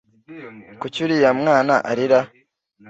kuki uriya mwana arira